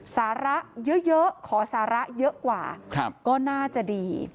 สาระเยอะขอสาระเยอะกว่าก็น่าจะดี